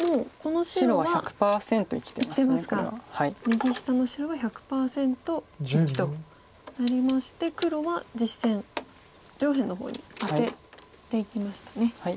右下の白は１００％生きとなりまして黒は実戦上辺の方にアテていきましたね。